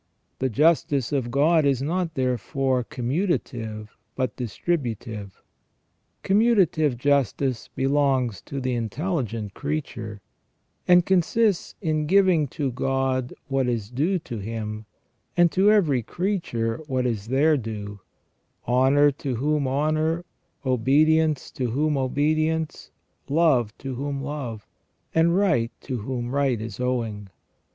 The justice of God is not therefore commutative but distributive ; commutative justice belongs to the intelligent creature, and consists in giving to God what is due to Him, and to every creature what is their due — honour to whom honour, obedience to whom obedience, love to whom love, and right to whom right is owing.